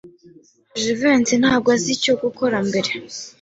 Jivency ntabwo azi icyo gukora mbere.